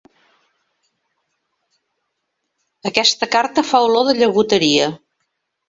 Aquesta carta fa olor de llagoteria.